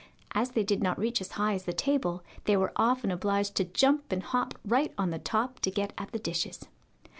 As they did not reach as high as the table, they were often obliged to jump and hop right on to the top to get at the dishes.